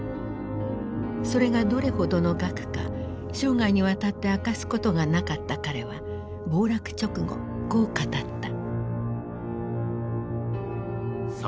それがどれほどの額か生涯にわたって明かすことがなかった彼は暴落直後こう語った。